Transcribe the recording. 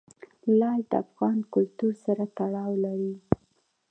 لعل د افغان کلتور سره تړاو لري.